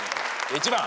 １番。